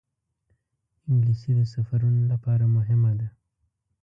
انګلیسي د سفرونو لپاره مهمه ده